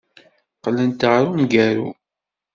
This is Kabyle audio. Qqlent ɣer umgaru.